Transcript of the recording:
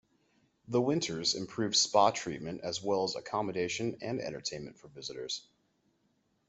The Winters improved spa treatment as well as accommodation and entertainment for visitors.